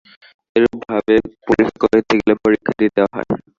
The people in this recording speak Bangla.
এরূপ ভাবে পরীক্ষা করিতে গেলে পরীক্ষা দিতেও হয়।